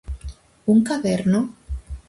Un caderno?